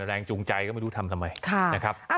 แรงจูงใจก็ไม่รู้ทำทำไม